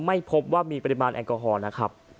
ไม่พบว่ามีปริมาณแอลกอฮอล์นะครับ